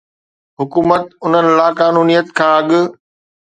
حڪومت انهن لاقانونيت کان اڳ